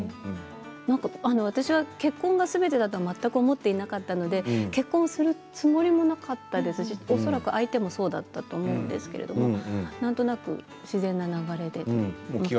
私は結婚がすべてだとは全く思っていなかったので結婚するつもりもなかったし相手も恐らくそうだったと思うんですがなんとなく自然な流れで。